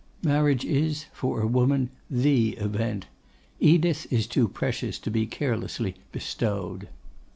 Marriage is for a woman the event. Edith is too precious to be carelessly bestowed.